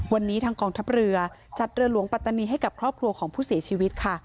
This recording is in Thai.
วันนี้ทางกองทัพเรือจัดเรือหลวงปัตตานีให้กับครอบครัวของผู้เสียชีวิตค่ะ